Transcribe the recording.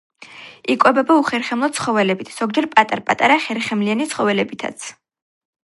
იკვებება უხერხემლო ცხოველებით, ზოგჯერ პატარ-პატარა ხერხემლიანი ცხოველებითაც.